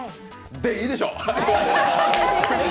で、いいでしょう。